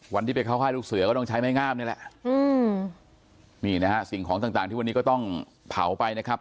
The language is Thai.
วันที่ไปเข้าค่ายลูกเสือก็ต้องใช้ไม้งามนี่แหละอืมนี่นะฮะสิ่งของต่างต่างที่วันนี้ก็ต้องเผาไปนะครับ